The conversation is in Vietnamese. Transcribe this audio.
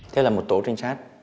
thế là một tổ trinh sát